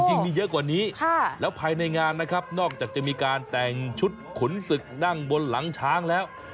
จริงมีเยอะกว่านี้แล้วภายในงานนะครับนอกจากจะมีการแต่งชุดขุนศึกนั่งบนหลังช้างแล้ว